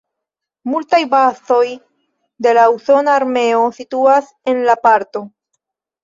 Multaj bazoj de la usona armeo situas en la parto.